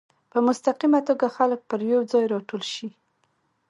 په مستقیمه توګه خلک پر یو ځای راټول شي.